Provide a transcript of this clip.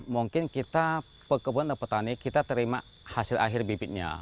mungkin kita pekebun dan petani kita terima hasil akhir bibitnya